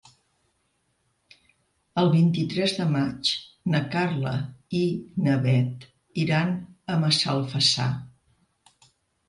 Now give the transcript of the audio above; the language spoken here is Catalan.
El vint-i-tres de maig na Carla i na Bet iran a Massalfassar.